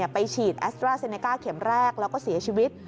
ไปฉีดแอสตราเซเนก้าเข็มแรกแล้วก็เสียชีวิต